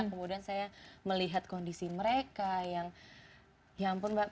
kemudian saya melihat kondisi mereka yang ya ampun mbak